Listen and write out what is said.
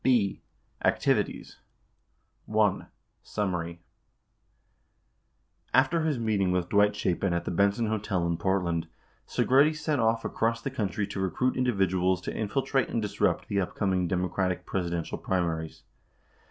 22 b. Activities (1) Summary After his meeting with Dwight Chapin at the Benson Hotel in Port land, Segretti set off across the country to recruit individuals to infil trate and disrupt the upcoming Democratic Presidential primaries.